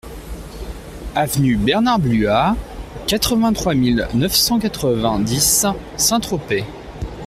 Avenue Bernard Blua, quatre-vingt-trois mille neuf cent quatre-vingt-dix Saint-Tropez